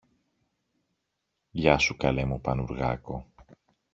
Γεια σου, καλέ μου Πανουργάκο!